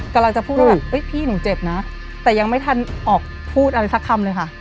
กำลังจะพูดว่าแบบเอ้ยพี่หนูเจ็บนะแต่ยังไม่ทันออกพูดอะไรสักคำเลยค่ะ